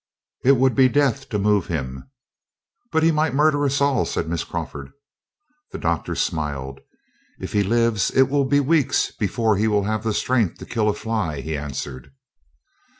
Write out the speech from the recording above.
"It would be death to move him." "But he might murder us all," said Miss Crawford. The Doctor smiled. "If he lives, it will be weeks before he will have the strength to kill a fly," he answered.